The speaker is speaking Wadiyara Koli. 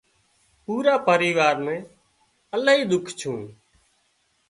پورا پريوار نين الاهي ۮُک ڇون